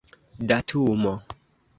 datumo